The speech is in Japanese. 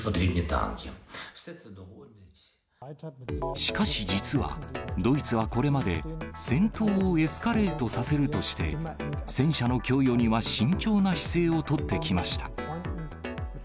しかし、実はドイツはこれまで、戦闘をエスカレートさせるとして、戦車の供与には慎重な姿勢を取ってきました。